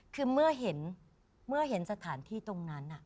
คือเมื่อเห็นสถานที่ตรงนั้น